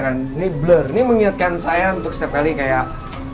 ini blur ini mengingatkan saya untuk setiap kali kayak